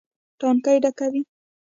ټانکۍ ډکوي.